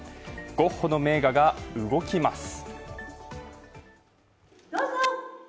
ゴッホの名画が動きます。